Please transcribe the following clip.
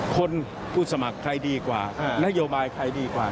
ผู้สมัครใครดีกว่านโยบายใครดีกว่า